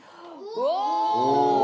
うわ！